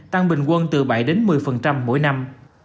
tăng bình quân từ bảy đến một mươi mỗi năm